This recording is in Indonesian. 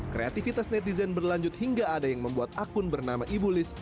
kreativitas netizen berlanjut hingga ada yang membuat akun bernama ibu liz